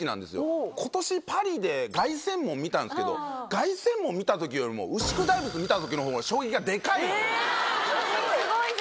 今年パリで凱旋門見たんですけど凱旋門見た時よりも牛久大仏見た時の方が。すっごいな！